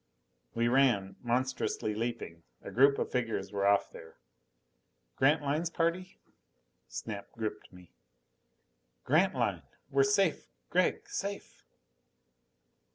We ran, monstrously leaping. A group of figures were off there. Grantline's party? Snap gripped me. "Grantline! We're safe, Gregg! Safe!"